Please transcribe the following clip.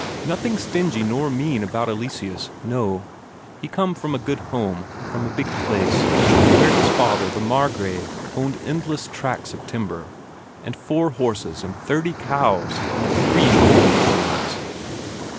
Nothing stingy nor mean about Eleseus, no; he come from a good home, from a big place, where his father the Margrave owned endless tracts of timber, and four horses and thirty cows and three mowing machines.